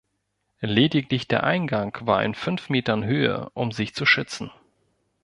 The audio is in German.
Lediglich der Eingang war in fünf Metern Höhe, um sich zu schützen.